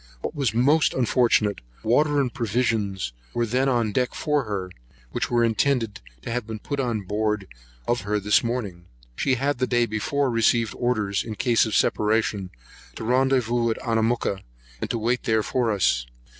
What was most unfortunate, water and provisions were then on deck for her, which were intended to have been put on board of her in the morning. She had the day before received orders, in case of separation, to rendezvous at Anamooka, and to wait there for us.